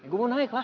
gue mau naik lah